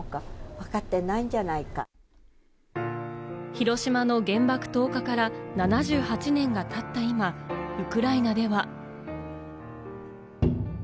広島の原爆投下から７８年が経った今、ウクライナでは。